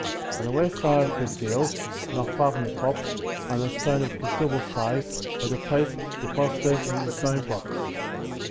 On the west side of this hill, not far from the top, under a stone of considerable size, lay the plates, deposited in a stone box.